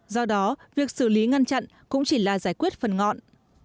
do đó việc xử lý ngăn chặn cũng chỉ là giải quyết phần ngọn